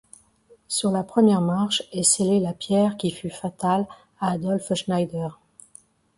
Sur la première marche est scellée la pierre qui fut fatale à Adolphe Schneider.